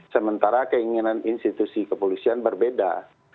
sementara keinginan institusi kepolisian berbeda